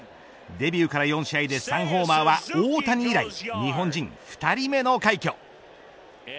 デビューから４試合で３ホーマーは大谷以来日本人２人目の快挙。